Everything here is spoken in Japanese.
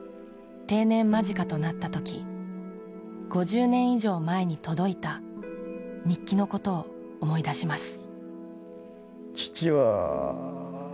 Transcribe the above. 定年間近となったとき５０年以上前に届いた日記のことを思い出します。